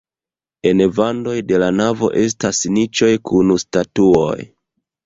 En vandoj de la navo estas niĉoj kun statuoj.